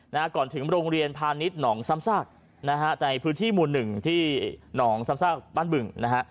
นะฮะก่อนถึงโรงเรียนพาณิชย์หนองซ้ำซากนะฮะในพื้นที่หมู่หนึ่งที่หนองซ้ำซากบ้านบึงนะฮะ